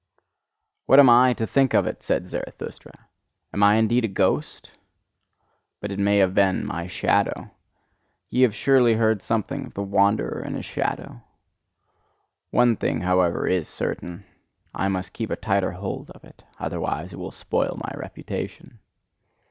"What am I to think of it!" said Zarathustra. "Am I indeed a ghost? But it may have been my shadow. Ye have surely heard something of the Wanderer and his Shadow? One thing, however, is certain: I must keep a tighter hold of it; otherwise it will spoil my reputation."